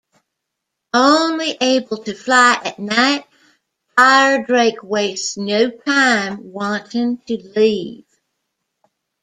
Only able to fly at night, Firedrake wastes no time wanting to leave.